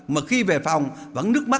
mà khi về phòng vẫn nước mắt